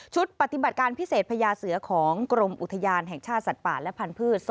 ปฏิบัติการพิเศษพญาเสือของกรมอุทยานแห่งชาติสัตว์ป่าและพันธุ์